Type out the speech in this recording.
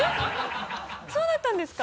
そうだったんですか？